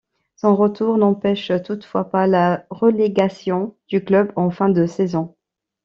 Son retour n'empêche toutefois pas la relégation du club en fin de saison.